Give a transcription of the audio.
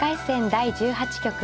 第１８局。